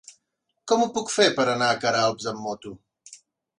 Com ho puc fer per anar a Queralbs amb moto?